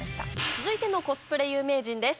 続いてのコスプレ有名人です